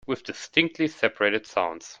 With distinctly separated sounds.